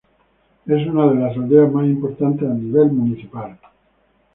Es una de las aldeas más importantes a nivel municipal.